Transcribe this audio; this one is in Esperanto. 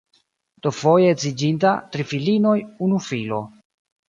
Dufoje edziĝinta, tri filinoj, unu filo.